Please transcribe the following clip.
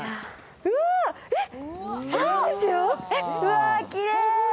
うわ、きれい。